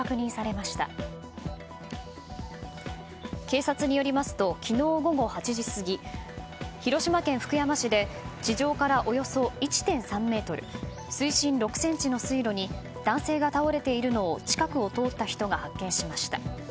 警察によりますと昨日午後８時過ぎ広島県福山市で地上からおよそ１．３ｍ水深６ｃｍの水路に男性が倒れているのを近くを通った人が発見しました。